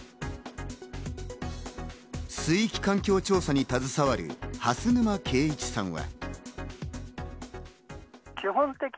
水域環境調査に携わる、蓮沼啓一さんは。